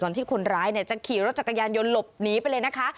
ที่คนร้ายจะขี่รถจักรยานยนต์หลบหนีไปเลยนะคะ